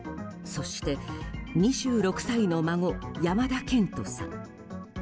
そして、２６歳の孫山田健人さん。